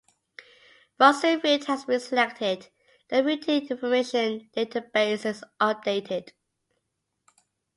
Once a route has been selected, the routing information database is updated.